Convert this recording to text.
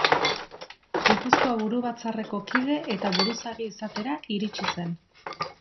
Gipuzkoa Buru Batzarreko kide eta buruzagi izatera iritsi zen.